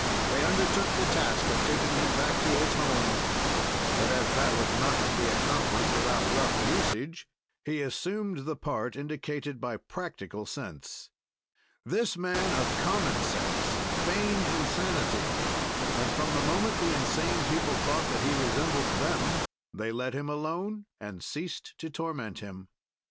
"They undertook the task of taking him back to his home, but, as that was not to be accomplished without rough usage, he assumed the part indicated by practical sense; this man of common sense feigned insanity, and from the moment the insane people thought that he resembled them they let him alone and ceased to torment him.